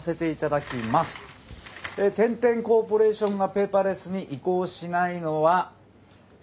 え天・天コーポレーションがペーパーレスに移行しないのはえ